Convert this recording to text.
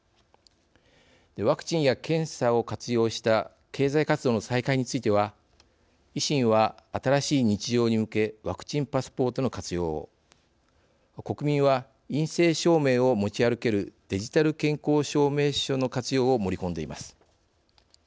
ワクチンや検査を活用した経済活動の再開については維新は新しい日常に向けワクチンパスポートの活用を国民は陰性証明を持ち歩けるデジタル健康証明書の活用を盛り込んでいます。